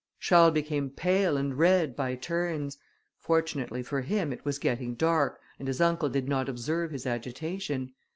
Charles became pale and red by turns; fortunately for him, it was getting dark, and his uncle did not observe his agitation.